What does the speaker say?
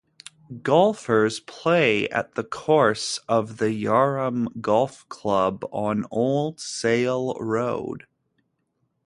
Golfers play at the course of the Yarram Golf Club on Old Sale Road.